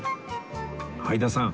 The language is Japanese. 相田さん